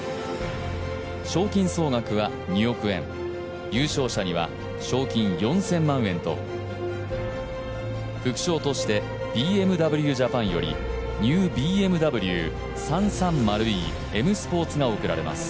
賞金総額は２億円、優勝者には賞金４０００万円と副賞として、ＢＭＷジャパンよりＮＥＷＢＭＷ３３０ｅＭＳｐｏｒｔが贈られます。